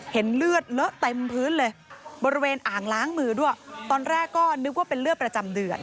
เห็นเลือดเลอะเต็มพื้นเลยบริเวณอ่างล้างมือด้วยตอนแรกก็นึกว่าเป็นเลือดประจำเดือน